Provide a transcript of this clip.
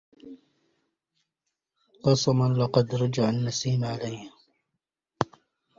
قسما لقد رجع النسيم عليلا